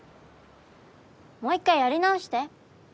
もう１回やり直して。